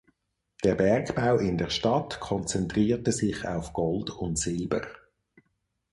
Der Bergbau in der Stadt konzentrierte sich auf Gold und Silber.